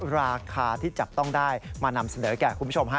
ราคาที่จับต้องได้มานำเสนอแก่คุณผู้ชมฮะ